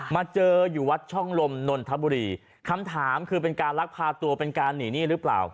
มาเจออยู่วัดช่องลมนนทบุรีคำถามคือเป็นการลักพาตัวเป็นการหนีหนี้หรือเปล่า